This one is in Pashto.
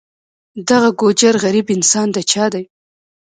دغه ګوجر غریب انسان د چا دی.